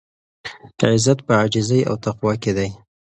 عزت په عاجزۍ او تقوا کې دی.